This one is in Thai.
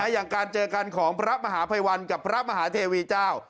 อย่างการเจอกันของพระมหาภัยวันกับพระมหาเทวีเจ้า